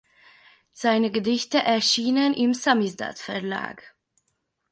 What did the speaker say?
Seine Gedichte erschienen im Samisdat-Verlag.